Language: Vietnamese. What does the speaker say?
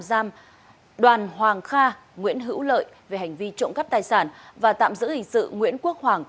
giam đoàn hoàng kha nguyễn hữu lợi về hành vi trộm cắp tài sản và tạm giữ hình sự nguyễn quốc hoàng